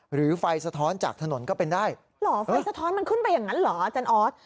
หรือไฟสะท้อนจากถนนก็เป็นได้เหรอไฟสะท้อนมันขึ้นไปอย่างนั้นเหรออาจารย์ออส